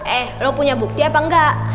eh lo punya bukti apa enggak